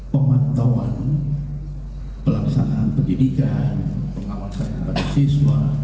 pemantauan pelaksanaan pendidikan pengawasan kepada siswa